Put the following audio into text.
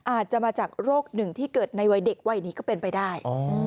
อาจจะมาจากโรคหนึ่งที่เกิดในวัยเด็กวัยนี้ก็เป็นไปได้